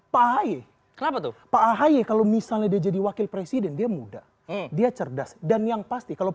pagi kenapa tuh p gene kalau misalnya jadi wakil presiden dia muda dia cerdas dan yang pasti kalau